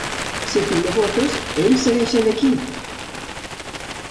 Si tu no votes, ells segueixen aquí!